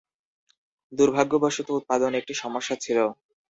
দুর্ভাগ্যবশত, উৎপাদন একটি সমস্যা ছিল।